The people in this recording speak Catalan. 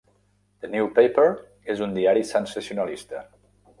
"The New Paper" és un diari sensacionalista.